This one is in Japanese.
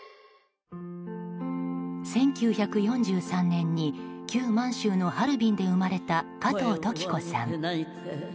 １９４３年に旧満州のハルビンで生まれた加藤登紀子さん。